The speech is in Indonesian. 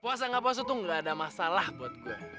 puasa gak puasa tuh gak ada masalah buat gue